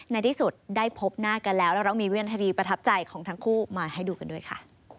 ในที่สุดได้พบหน้ากันแล้วแล้วเรามีวินาทีประทับใจของทั้งคู่มาให้ดูกันด้วยค่ะ